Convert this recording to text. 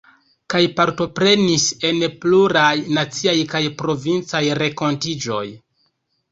Kaj partoprenis en pluraj naciaj kaj provincaj renkontiĝoj.